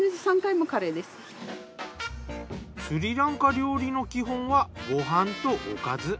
スリランカ料理の基本はご飯とおかず。